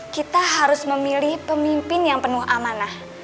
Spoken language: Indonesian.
kita harus memilih pemimpin yang penuh amanah